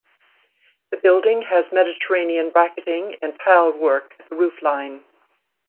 The building has Mediterranean bracketing and tile work at the roofline.